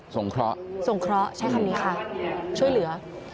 ส่งเคราะห์ใช่คำนี้ค่ะช่วยเหลือ